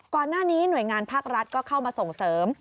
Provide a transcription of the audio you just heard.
ก่อนหน้านี้หน่วยงานภาครัฐก็เข้ามาส่งเสริม